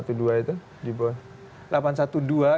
itu delapan ratus dua belas itu di bawah